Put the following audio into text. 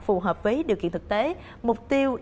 phù hợp với điều kiện thực tế mục tiêu